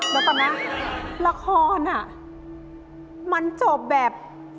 แล้วต่อมาละครน่ะมันจบแบบ